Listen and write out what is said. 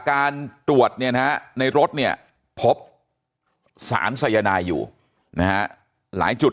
การตรวจเนี่ยนะในรถเนี่ยพบสารสายนายอยู่นะฮะหลายจุด